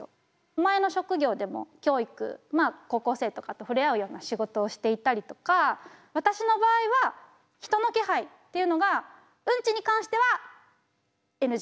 前の職業でも教育まあ高校生とかと触れ合うような仕事をしていたりとか私の場合は人の気配っていうのがうんちに関してはＮＧ。